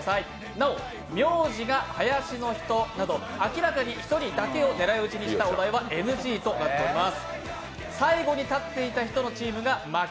なお「名字が林の人」など明らかに１人だけを狙い撃ちにしたようなお題はＮＧとなります。